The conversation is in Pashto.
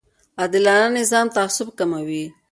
عادلانه نظام تعصب کموي